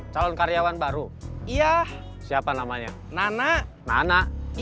kamu dikasih tau siapa